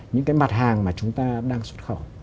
những cái mặt hàng mà chúng ta đang xuất khẩu